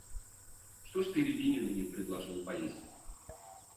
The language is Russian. Что ж ты Рябинину не предложил поесть?